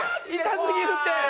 痛すぎるって！